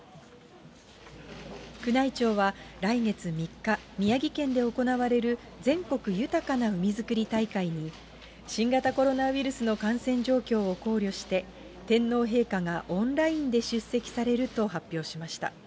宮内庁は来月３日、宮城県で行われる全国豊かな海づくり大会に、新型コロナウイルスの感染状況を考慮して天皇陛下がオンラインで出席されると発表しました。